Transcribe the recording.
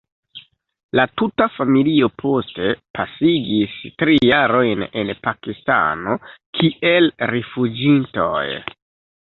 La tuta familio poste pasigis tri jarojn en Pakistano kiel rifuĝintoj.